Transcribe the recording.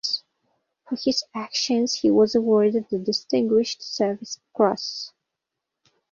For his actions he was awarded the Distinguished Service Cross.